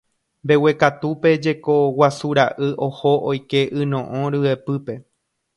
Mbeguekatúpe jeko guasu ra'y oho oike yno'õ ryepýpe.